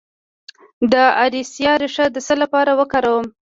د اریسا ریښه د څه لپاره وکاروم؟